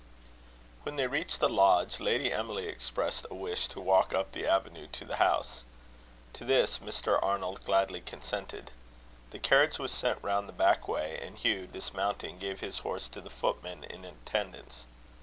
When they reached the lodge, Lady Emily expressed a wish to walk up the avenue to the house. To this Mr. Arnold gladly consented. The carriage was sent round the back way; and Hugh, dismounting, gave his horse to the footman in attendance.